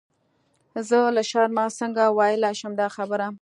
زه له شرمه څنګه ویلای شم دا خبره.